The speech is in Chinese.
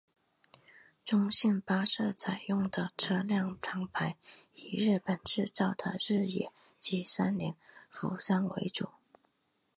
中兴巴士采用的车辆厂牌以日本制造的日野及三菱扶桑为主。